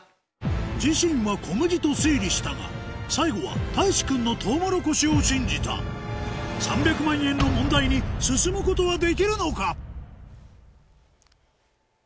自身は「小麦」と推理したが最後はたいし君の「トウモロコシ」を信じた３００万円の問題に進むことはできるのか？